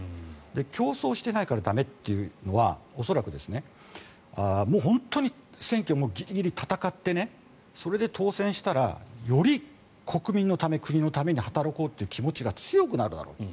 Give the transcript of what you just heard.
競争していないから駄目というのは恐らく、本当に選挙もギリギリ戦ってそれで当選したらより国民のため、国のために働こうという気持ちが強くなるだろうと。